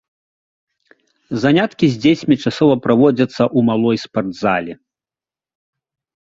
Заняткі з дзецьмі часова праводзяцца ў малой спартзале.